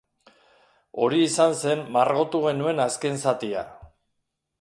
Hori izan zen margotu genuen azken zatia.